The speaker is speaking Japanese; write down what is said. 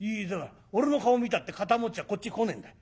俺の顔見たって堅餅はこっち来ねえんだ。